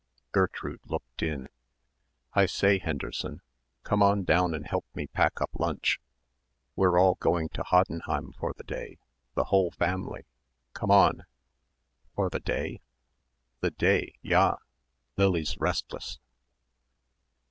Gertrude looked in. "I say, Henderson, come on down and help me pack up lunch. We're all going to Hoddenheim for the day, the whole family, come on." "For the day?" "The day, ja. Lily's restless."